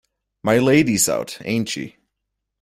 My Lady's out, ain't she?